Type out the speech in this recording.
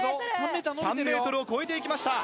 ３ｍを超えて行きました。